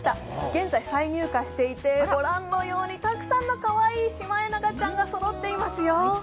現在、再入荷していてご覧のようにたくさんのシマエナガちゃんがそろっていますよ。